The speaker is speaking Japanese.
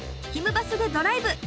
バスでドライブ！